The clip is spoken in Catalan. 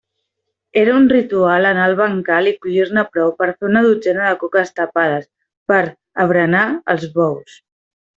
Era un ritual anar al bancal i collir-ne prou per a fer una dotzena de coques tapades per a berenar als bous.